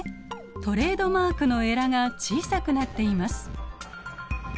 トレードマークのエラが小さくなっています。